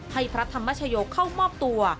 พระธรรมชโยเข้ามอบตัว